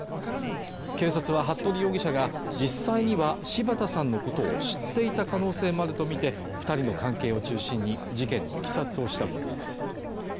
警察は服部容疑者が、実際には柴田さんのことを知っていた可能性もあるとみて、２人の関係を中心に、事件のいきさつを調べています。